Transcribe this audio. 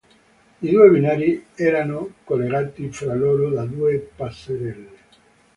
I due binari erano collegati fra loro da due passerelle.